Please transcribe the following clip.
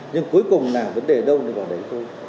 nhưng cuối cùng là vấn đề đâu đi vào đấy thôi